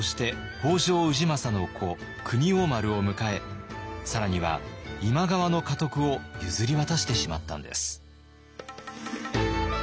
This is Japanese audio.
北条氏政の子国王丸を迎え更には今川の家督を譲り渡してしまったんです。